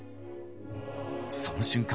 その瞬間